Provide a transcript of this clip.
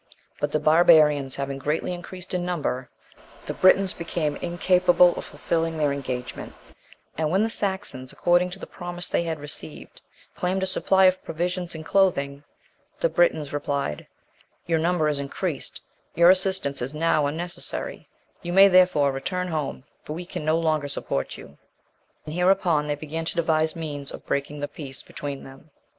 But the barbarians having greatly increased in number, the Britons became incapable of fulfilling their engagement; and when the Saxons, according to the promise they had received, claimed a supply of provisions and clothing, the Britons replied, "Your number is increased; your assistance is now unneccessary; you may, therefore, return home, for we can no longer support you;" and hereupon they began to devise means of breaking the peace between them.